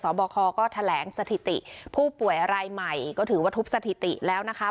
บคก็แถลงสถิติผู้ป่วยรายใหม่ก็ถือว่าทุบสถิติแล้วนะคะ